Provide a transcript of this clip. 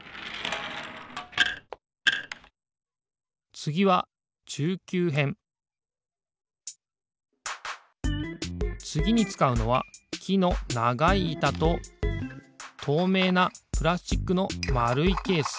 つぎはつぎにつかうのはきのながいいたととうめいなプラスチックのまるいケース。